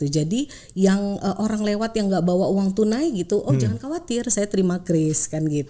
jadi orang lewat yang nggak bawa uang tunai oh jangan khawatir saya terima kris